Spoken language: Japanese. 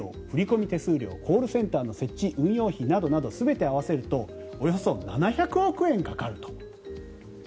振込手数料コールセンターの設置・運用費などなど全て合わせるとおよそ７００億円かかると。